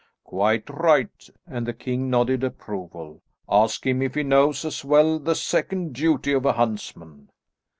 "Quite right," and the king nodded approval. "Ask him if he knows as well the second duty of a huntsman."